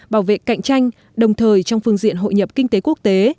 bảo vệ cạnh tranh đồng thời trong phương diện hội nhập kinh tế quốc tế